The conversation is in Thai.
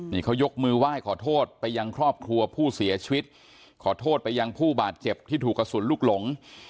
นี่เขายกมือไหว้ขอโทษไปยังครอบครัวผู้เสียชีวิตขอโทษไปยังผู้บาดเจ็บที่ถูกกระสุนลูกหลง